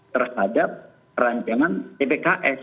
terhadap rancangan tpks